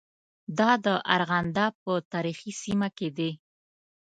دا د ارغنداب په تاریخي سیمه کې دي.